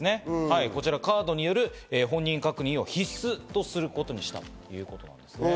カードによる本人確認を必須とすることにしたということですね。